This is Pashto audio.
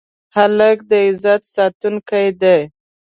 هلک د عزت ساتونکی دی.